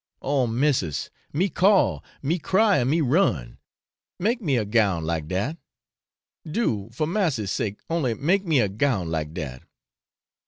Oh missis! me call, me cry, and me run; make me a gown like dat. Do, for massy's sake, only make me a gown like dat.'